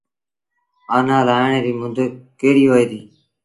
آنآ لآهڻ ريٚ مند ڪهڙيٚ هوئي ديٚ۔